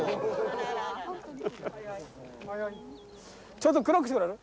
ちょっとクロックしてくれる？